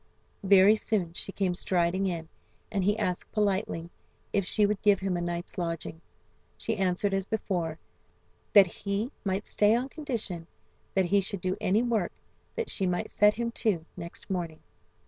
Very soon she came striding in, and he asked politely if she would give him a night's lodging. She answered as before, that he might stay on condition that he should do any work that she might set him to next morning.